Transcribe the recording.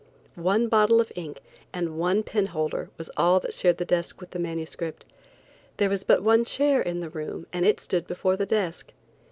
One bottle of ink and one penholder was all that shared the desk with the manuscript. There was but one chair in the room, and it stood before the desk.